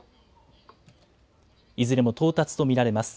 いずれも到達と見られます。